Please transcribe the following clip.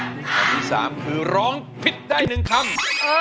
คำที่๓คือร้องผิดได้๑คำ